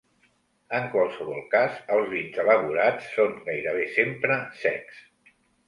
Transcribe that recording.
En qualsevol cas, els vins elaborats són gairebé sempre secs.